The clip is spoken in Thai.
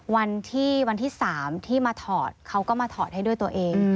วันที่วันที่๓ที่มาถอดเขาก็มาถอดให้ด้วยตัวเอง